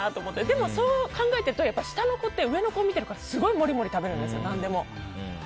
でも、そう考えると下の子って上の子を見ているからすごい何でも食べるんです。